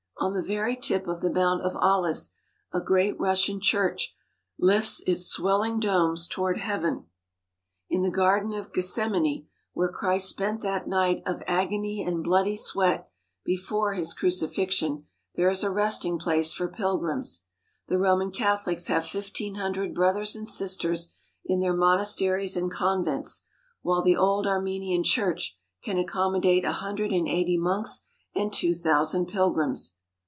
On the very top of the Mount of Olives a great Russian church lifts its swelling domes toward heaven. In the Garden of Gethsemane, where Christ spent that night of "agony and bloody sweat" before His crucifixion, there is a resting place for pilgrims. The Roman Catholics have fifteen hundred brothers and sisters in their mon asteries and convents, while the old Armenian church can accommodate a hundred and eighty monks and two thousand pilgrims.